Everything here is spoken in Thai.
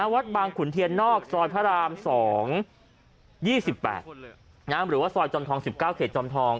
วัดบางขุนเทียนนอกซอยพระราม๒๒๘หรือว่าซอยจอมทอง๑๙เขตจอมทอง